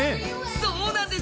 そうなんです！